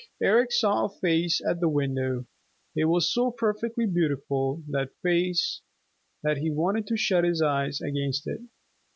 Eric saw a face at the window. It was so perfectly beautiful, that face, that he wanted to shut his eyes against it.